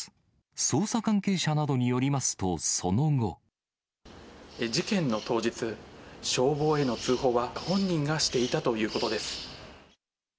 捜査関係者などによりますと、事件の当日、消防への通報は、本人がしていたということです。